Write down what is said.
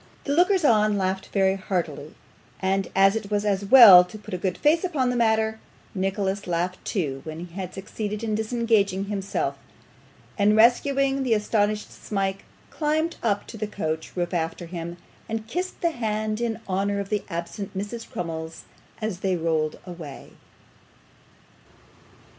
The lookers on laughed very heartily, and as it was as well to put a good face upon the matter, Nicholas laughed too when he had succeeded in disengaging himself; and rescuing the astonished Smike, climbed up to the coach roof after him, and kissed his hand in honour of the absent Mrs. Crummles as they rolled away.